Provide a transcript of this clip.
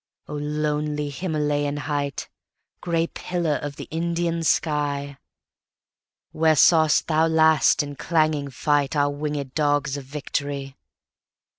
O lonely Himalayan height, Grey pillar of the Indian sky, Where saw'st thou last in clanging fightOur wingèd dogs of Victory?